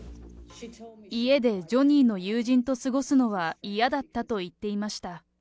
家でジョニーの友人と過ごすのは嫌だったと言っていました。